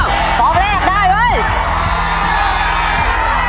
โอ้โอ๊ยเขาไปแล้ว